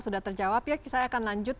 sudah terjawab ya saya akan lanjut